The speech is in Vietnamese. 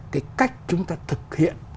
cái cách chúng ta thực hiện